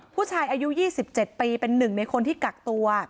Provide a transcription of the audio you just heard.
ผู้ชายอายุ๒๗ปีเป็นหนึ่งในคนที่กักตัว